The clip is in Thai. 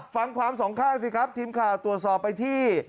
ฟังความสองข้างสิครับทีมข่าวตรวจสอบไปที่